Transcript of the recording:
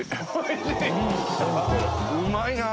うまいな！